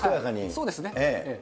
そうですね。